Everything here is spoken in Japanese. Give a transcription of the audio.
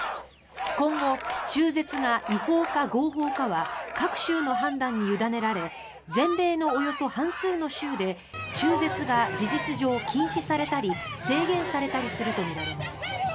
今後、中絶が違法か合法かは各州の判断に委ねられ全米のおよそ半数の州で中絶が事実上、禁止されたり制限されたりするとみられます。